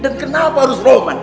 dan kenapa harus romlan